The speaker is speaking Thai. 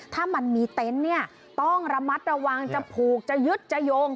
ถ้ามันมีเต็นต์เนี่ยต้องระมัดระวังจะผูกจะยึดจะโยง